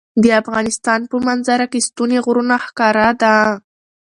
د افغانستان په منظره کې ستوني غرونه ښکاره ده.